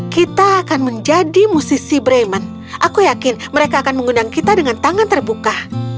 kita akan menjadi musisi bremen aku yakin mereka akan mengundang kita dengan tangan terbuka